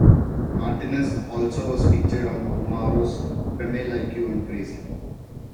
Martinez also was featured on Kmaro's "Femme Like You" and "Crazy".